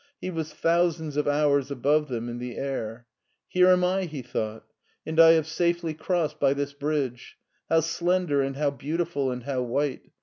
He was thou sands of hours above them in the air. " Here am I," he thought, " and I have safely crossed by this bridge ; how slender and how beautiful and how white.